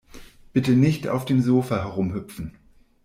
Bitte nicht auf dem Sofa herumhüpfen.